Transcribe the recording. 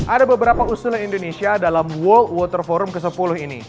ada beberapa usulan indonesia dalam world water forum ke sepuluh ini